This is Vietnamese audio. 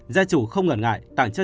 gia chủ không ngần ngại tặng cho